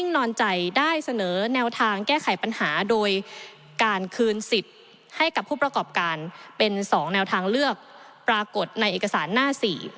แนวทางเลือกปรากฏในเอกสารหน้า๔